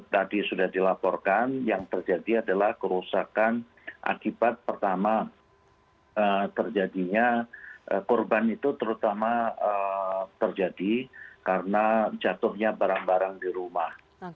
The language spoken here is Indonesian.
tadi sudah dilaporkan yang terjadi adalah kerusakan akibat pertama terjadinya korban itu terutama terjadi karena jatuhnya barang barang di rumah